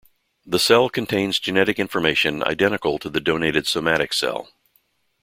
The cell contains genetic information identical to the donated somatic cell.